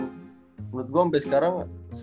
menurut gua sampe sekarang